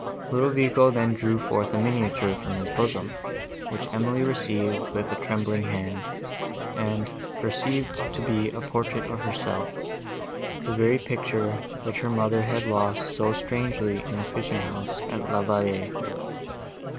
Ludovico then drew forth a miniature from his bosom, which Emily received with a trembling hand, and perceived to be a portrait of herself—the very picture, which her mother had lost so strangely in the fishing house at La Vallée.